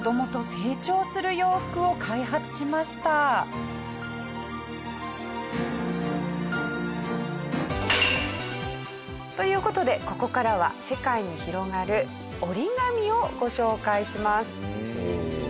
折り紙。という事でここからは世界に広がる折り紙をご紹介します。